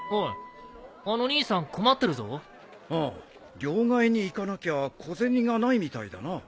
両替に行かなきゃ小銭がないみたいだな。